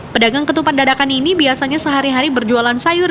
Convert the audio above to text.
pedagang ketupat dadakan ini biasanya sehari hari berjualan sayur